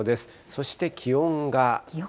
そして気温が。